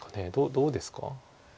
どうですか？